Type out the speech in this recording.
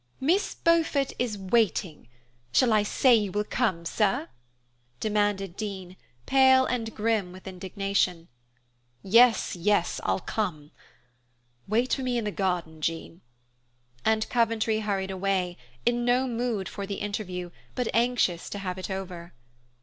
"Miss Beaufort is waiting. Shall I say you will come, sir?" demanded Dean, pale and grim with indignation. "Yes, yes, I'll come. Wait for me in the garden, Jean." And Coventry hurried away, in no mood for the interview but anxious to have it over.